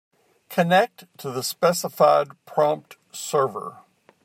Connect to the specified prompt server.